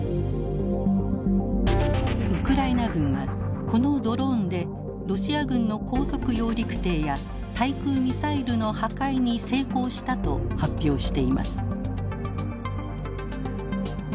ウクライナ軍はこのドローンでロシア軍の高速揚陸艇や対空ミサイルの破壊に成功したと発表しています。